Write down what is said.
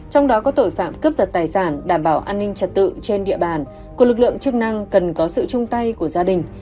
trong đó có tội phạm cướp giật tài sản đảm bảo an ninh trật tự trên địa bàn của lực lượng chức năng cần có sự chung tay của gia đình